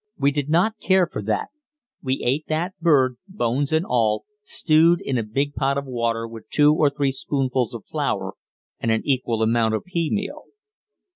We did not care for that; we ate that bird, bones and all, stewed in a big pot of water with two or three spoonfuls of flour and an equal amount of pea meal.